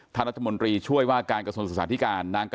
ท่านรัฐมนตรีช่วยว่าการกระทรวงศึกษาธิการ